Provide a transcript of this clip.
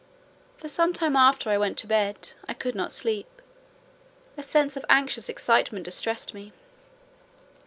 For some time after I went to bed, I could not sleep—a sense of anxious excitement distressed me.